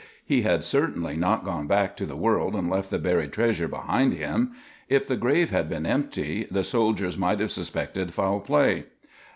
He had certainly not gone back to the world and left the buried treasure behind him. If the grave had been empty, the soldiers might have suspected foul play.